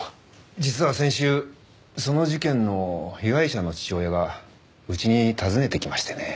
実は先週その事件の被害者の父親がうちに訪ねてきましてね。